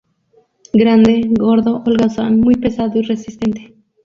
Grande, gordo, holgazán, muy pesado y resistente.